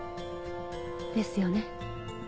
ですよね？